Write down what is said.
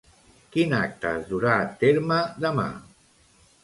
Quin acte es durà terme demà?